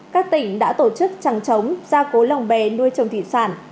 các tỉnh đã tổ chức trẳng chống gia cố lòng bè nuôi trồng thị sản